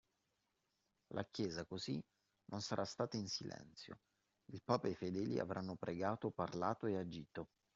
La Chiesa così non sarà stata in silenzio: il Papa e i fedeli avranno pregato, parlato e agito